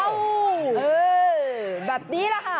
อืม